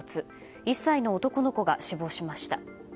１歳の男の子が死亡しました。